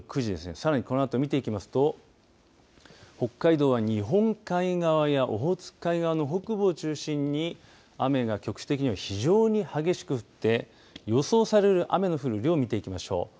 さらにこのあと見ていきますと北海道は日本海側やオホーツク海側の北部を中心に雨が局地的には非常に激しく降って予想される雨の降る量見ていきましょう。